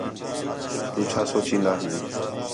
تُو چَھا سوچین٘دا ہیں